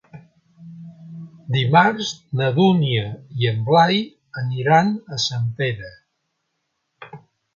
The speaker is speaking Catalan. Dimarts na Dúnia i en Blai aniran a Sempere.